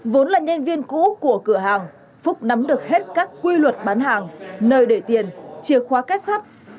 vốn là nhân viên cũ của cửa hàng phúc nắm được hết các quy luật bán hàng nơi để tiền chìa khóa kết sắt